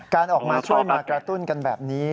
การออกมาช่วยมากระตุ้นกันแบบนี้